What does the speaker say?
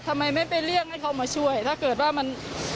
ทำไมไม่ไปเรียกให้เขามาช่วยถ้าเกิดว่ามัน